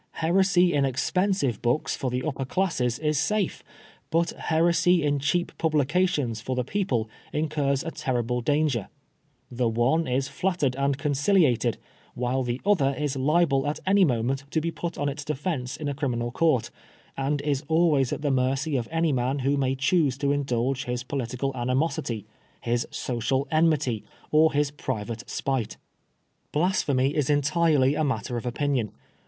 Heresy in expensive books for the upper classes is safe, but heresy in cheap publications for the people incurs a terrible danger. The one is flattered and conciliated, while the other is liable at any moment to be put on its defence in a criminal court, and is always at the mercv of any man who may chooBe to indulge hia political animosity, his social enmity, or his private spite. 36 PBISONEB FOB BLASPHEMY. << Blasphemy is entirely a matter of opinion.